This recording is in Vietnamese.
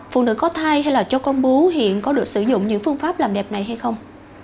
phụ nữ có thai hay là cho con bú hiện có được sử dụng những phương pháp làm đẹp này hay không